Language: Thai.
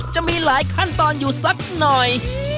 จะมีหลายขั้นตอนอยู่สักหน่อย